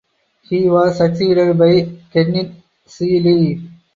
He was succeeded by Kenneth Sealey.